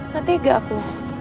mati gak aku